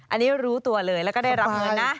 อันนี้รู้ตัวเลยแล้วก็ได้รับเงินนะ